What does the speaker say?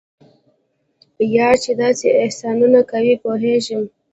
یار چې داسې احسانونه کوي پوهیږم.